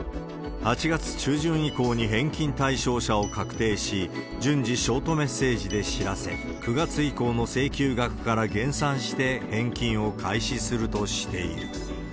８月中旬以降に返金対象者を確定し、順次、ショートメッセージで知らせ、９月以降の請求額から減算して返金を開始するとしている。